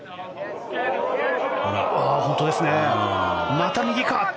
また右か。